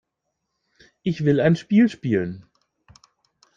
Ich will ein Spiel spielen.